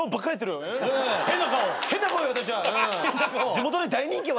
地元で大人気よ